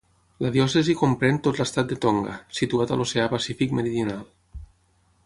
La diòcesi comprèn tot l'estat de Tonga, situat a l'oceà Pacífic meridional.